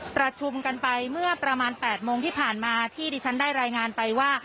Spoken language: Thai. ประชุมกันไปเมื่อประมาณ๘โมงที่ผ่านมาที่ดิฉันได้รายงานไปว่า